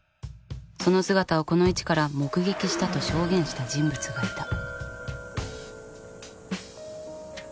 その姿をこの位置から目撃したと証言した人物がいた。